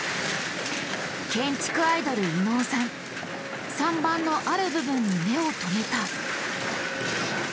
建築アイドル伊野尾さん３番のある部分に目を留めた。